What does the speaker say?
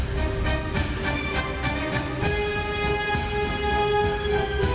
raja langit menyembunyikan saya